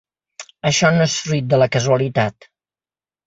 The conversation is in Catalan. Això no és fruit de la casualitat.